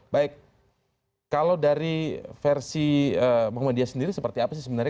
baik kalau dari versi muhammadiyah sendiri seperti apa sih sebenarnya